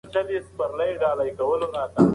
ځمکه د طبیعي منابعو یوه مهمه برخه ده.